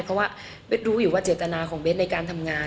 เพราะว่าเบสรู้อยู่ว่าเจตนาของเบสในการทำงาน